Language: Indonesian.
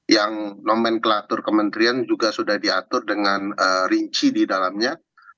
yang nomenklatur kementerian juga sudah diatur dengan rinci di dalamnya